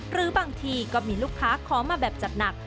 หรือบางทีก็มีลูกค้าขอมาแบบจัดหนัก